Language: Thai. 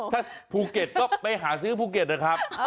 ถ้าภูเก็ตก็ไปหาซื้อภูเก็ตนะครับ